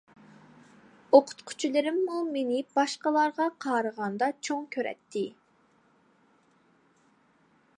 ئوقۇتقۇچىلىرىممۇ مېنى باشقىلارغا قارىغاندا چوڭ كۆرەتتى.